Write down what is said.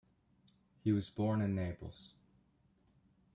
He was born in Naples.